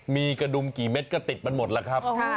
มีกระดุมกี่เม็ดก็ติดมันหมดแล้วครับ